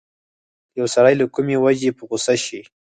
که يو سړی له کومې وجې په غوسه شي.